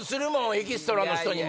エキストラの人にも。